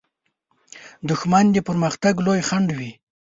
دښمن د پرمختګ لوی خنډ وي